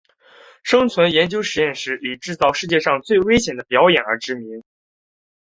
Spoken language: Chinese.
生存研究实验室以制造世界上最危险的表演而知名。